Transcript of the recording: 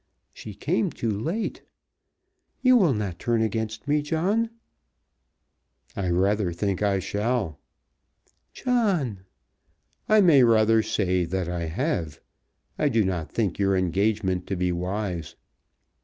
She came too late. You will not turn against me, John?" "I rather think I shall." "John!" "I may rather say that I have. I do not think your engagement to be wise."